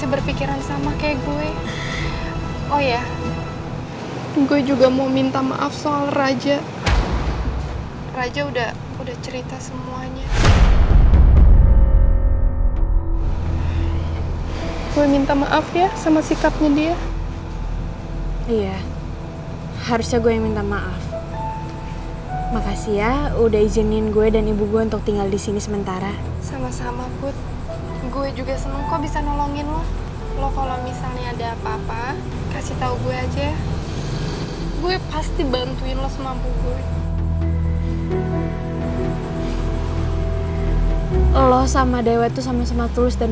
enak enak tinggal disini nyaman nyaman